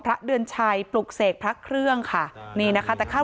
พระเดือนชัยปลุกเสกพระเครื่องค่ะนี่นะคะแต่เข้า